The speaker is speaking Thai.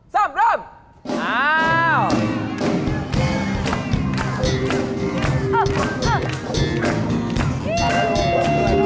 สามเริ่ม